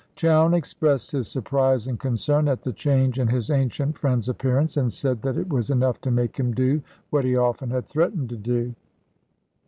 Chowne expressed his surprise and concern at the change in his ancient friend's appearance, and said that it was enough to make him do what he often had threatened to do.